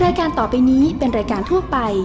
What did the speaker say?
รายการต่อไปนี้เป็นรายการทั่วไป